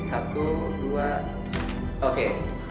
satu dua oke